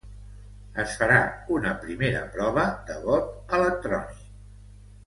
Es farà una primera prova de vot electrònic